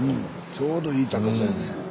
ちょうどいい高さやね。